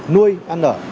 nuôi ăn nở